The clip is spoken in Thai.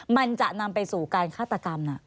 มันจะนำไปสู่การฆาตกรรม